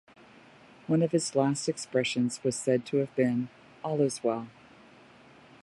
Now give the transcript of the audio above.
One of his last expressions was said to have been, All is well.